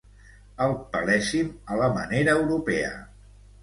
El peléssim a la manera europea.